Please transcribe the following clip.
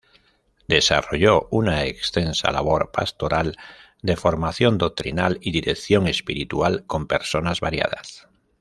Desarrolló una extensa labor pastoral de formación doctrinal y dirección espiritual con personas variadas.